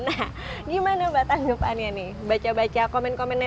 nah gimana mbak tanggapannya nih baca baca komen komennya